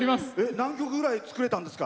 何曲ぐらい作れたんですか？